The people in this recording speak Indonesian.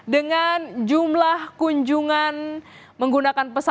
dengan jumlah kunjungan menggunakan pesawat